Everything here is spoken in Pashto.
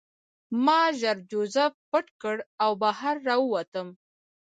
ما ژر جوزف پټ کړ او بهر راووتم